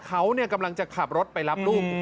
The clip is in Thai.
เขากำลังจะขับรถไปรับลูก